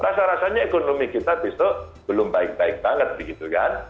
rasa rasanya ekonomi kita besok belum baik baik banget begitu kan